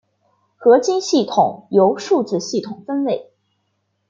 合金系统由数字系统分类。